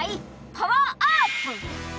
パワーアップ！